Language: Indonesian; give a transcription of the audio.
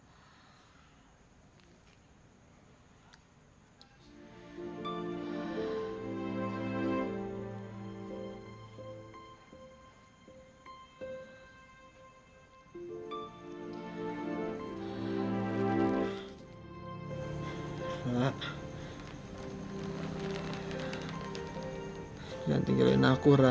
ra jangan tinggalin aku ra